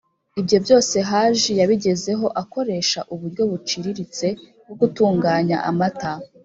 Ibyo byose Haji yabigezeho akoresha uburyo buciriritse bwo gutunganya amata